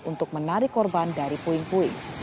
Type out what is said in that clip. untuk menarik korban dari puing puing